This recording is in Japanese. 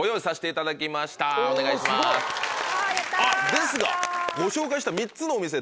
ですがご紹介した３つのお店。